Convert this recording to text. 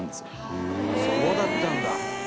伊達：そうだったんだ。